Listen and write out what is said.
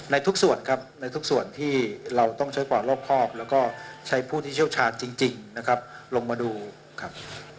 ทุกส่วนครับในทุกส่วนที่เราต้องใช้ความรอบครอบแล้วก็ใช้ผู้ที่เชี่ยวชาญจริงนะครับลงมาดูครับ